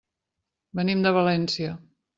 Venim de València.